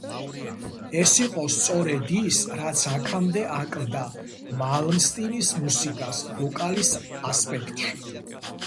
ეს იყო სწორედ ის, რაც აქამდე აკლდა მალმსტინის მუსიკას ვოკალის ასპექტში.